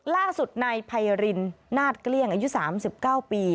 ล่าสุดนายไพรินนาฏเกลี้ยงอายุ๓๙ปี